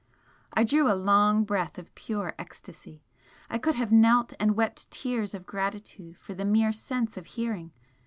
I drew a long breath of pure ecstasy, I could have knelt and wept tears of gratitude for the mere sense of hearing!